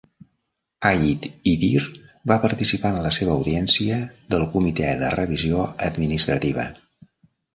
Ait Idir va participar en la seva audiència del Comitè de revisió administrativa.